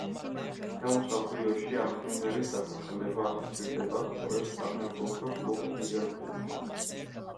მთელ მსოფლიოში ამ სიმღერის დასახელება ასოცირდება სწორედ საფეხბურთო კლუბ „ლივერპულთან“.